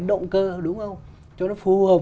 động cơ đúng không cho nó phù hợp